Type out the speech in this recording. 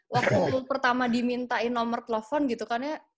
waktu pertama dimintain nomor telepon gitu kan ya